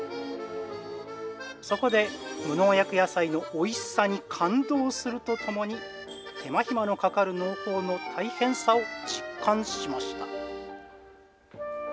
そこで無農薬野菜のおいしさに感動するとともに手間ひまのかかる農法の大変さを実感しました。